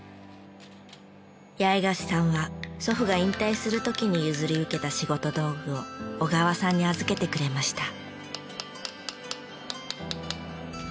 八重樫さんは祖父が引退する時に譲り受けた仕事道具を小川さんに預けてくれました。